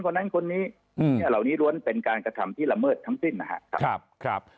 ดังนั้นคนนี้เราเป็นการกระทำที่ละเมิดทั้งสิ้นนะฮะ